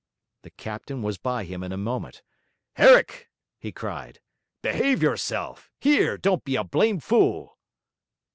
The captain was by him in a moment. 'Herrick!' he cried, 'behave yourself! Here, don't be a blame' fool!'